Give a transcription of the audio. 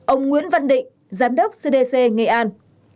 ông nguyễn văn định giám đốc cdc nghệ an